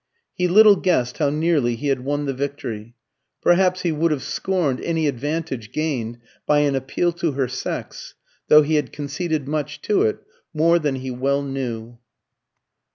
He little guessed how nearly he had won the victory. Perhaps he would have scorned any advantage gained by an appeal to her sex, though he had conceded much to it more than he well knew.